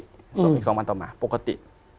ส่วนอีก๒วันต่อมาปกติ